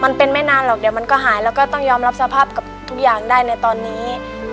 ไม่เป็นไม่นานหรอกเดี๋ยวมันก็หายแล้วก็ต้องยอมรับสภาพกับทุกอย่างได้ในตอนนี้